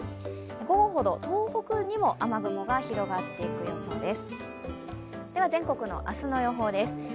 午後ほど、東北にも雨雲が広がっていく予想です。